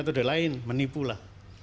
itu sudah lain menipulah